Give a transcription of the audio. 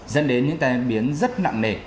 dẫn đến những tai biến rất nặng nề